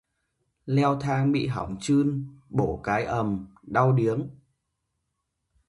Leo thang bị hỏng chưn, bổ cái ầm, đau điếng